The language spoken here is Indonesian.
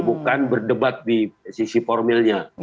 bukan berdebat di sisi formilnya